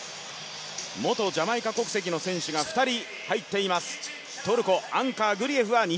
元ジャマイカ国籍の選手が２人入っています、トルコ。